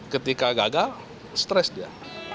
ketika gagal stres dia